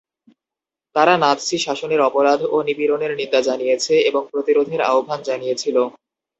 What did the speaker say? তারা নাৎসি শাসনের অপরাধ ও নিপীড়নের নিন্দা জানিয়েছে এবং প্রতিরোধের আহ্বান জানিয়েছিল।